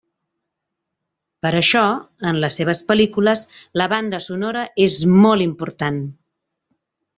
Per això, en les seves pel·lícules, la banda sonora és molt important.